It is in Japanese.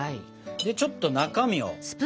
ちょっと中身を。